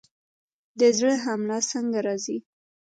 د زړه حمله څنګه راځي؟